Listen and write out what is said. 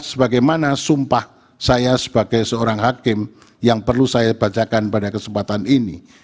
sebagaimana sumpah saya sebagai seorang hakim yang perlu saya bacakan pada kesempatan ini